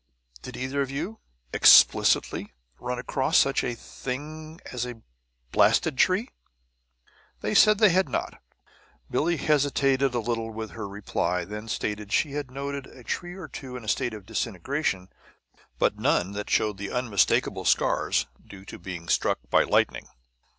Did either of you," explicitly, "run across such a thing as a blasted tree?" They said they had not. Billie hesitated a little with her reply, then stated that she had noted a tree or two in a state of disintegration, but none that showed the unmistakable scars due to being struck by lightning.